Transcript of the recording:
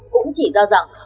cũng chỉ ra rằng